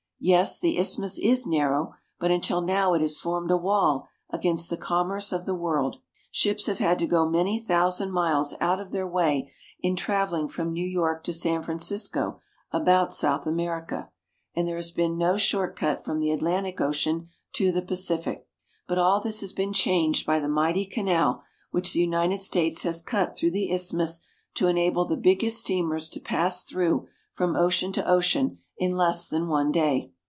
Yes, the isthmus is narrow, but until now it has formed a wall against the commerce of the world. Ships have had tQ go many thousand miles out of their way in traveHng from New York to San Francisco about South America, ISTHMUS OF PANAMA 1 9 and there has been no short cut from the Atlantic Ocean to the Pacific. But all this has been changed by the mighty canal which the United States has cut through the isthmus to enable the biggest steamers to pass through from ocean to ocean in less than one day.